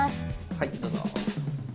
はいどうぞ。